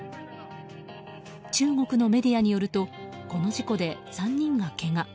中国のメディアによるとこの事故で３人がけが。